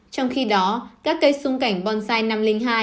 trong khi đó các cây xung cảnh bonsai năm trăm linh hai